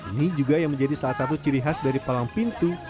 ini juga yang menjadi salah satu ciri khas dari palang pintu